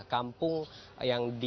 kampung yang di